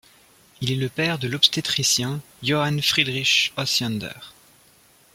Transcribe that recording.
Il est le père de l'obstétricien, Johann Friedrich Osiander.